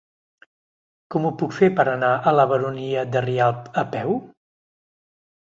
Com ho puc fer per anar a la Baronia de Rialb a peu?